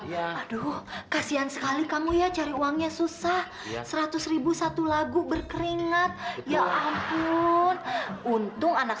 ya aduh kasihan sekali kamu ya cari uangnya susah seratus ribu satu lagu berkeringat ya ampun untung anak